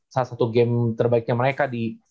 salah satu game terbaiknya mereka di